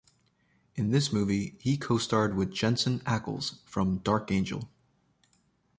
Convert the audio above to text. In this movie he co-starred with Jensen Ackles from "Dark Angel".